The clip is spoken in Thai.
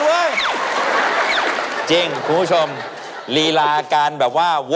ก็ต้องจัดการนะครับ